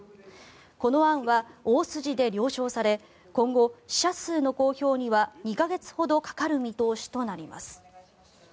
この案は大筋で了承され今後、死者数の公表には２か月ほどかかる見通しとなります。